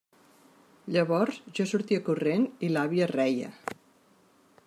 Llavors jo sortia corrent i l'àvia reia.